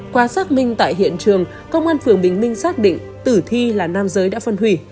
qua xác minh tại hiện trường công an phường bình minh xác định tử thi là nam giới đã phân hủy